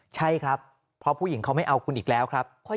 ใช่ครับเพราะผู้หญิงเขาไม่เอาคุณอีกแล้วครับ